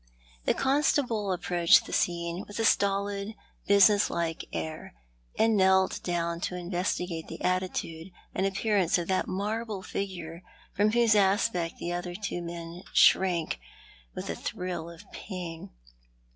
The constable approached the scene with a stolid, business like air, and knelt down to investigate the attitude and appear ance of that marble figure from whose aspect the other two men shrank Avith a thrill of pain.